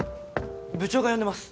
部長が呼んでます。